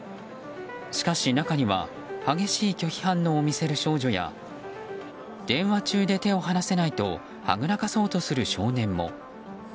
しかし中には激しい拒否反応を見せる少女や電話中で手を離せないとはぐらかそうとする少年も。